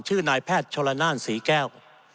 ชื่อนายแพทย์ชรนานศรีแก้ว